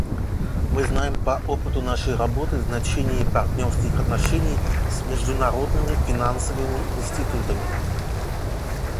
Мы знаем по опыту нашей работы значение партнерских отношений с международными финансовыми институтами.